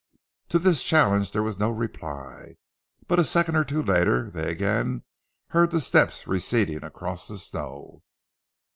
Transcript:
To this challenge there was no reply, but a second or two later they again heard the steps receding across the snow.